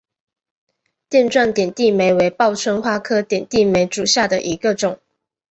垫状点地梅为报春花科点地梅属下的一个种。